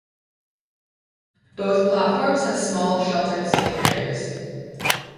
Both platforms have small sheltered seating areas.